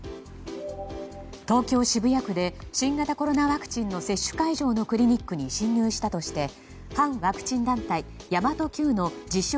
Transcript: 東京・渋谷区で新型コロナワクチンの接種会場のクリニックに侵入したとして反ワクチン団体、神真都Ｑの自称